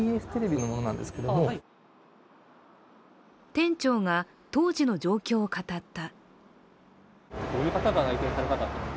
店長が当時の状況を語った。